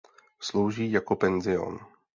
Slouží jako penzion.